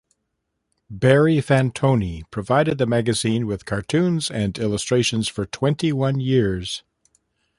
Barry Fantoni provided the magazine with cartoons and illustrations for twenty-one years.